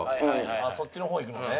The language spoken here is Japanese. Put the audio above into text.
そっちの方いくのね。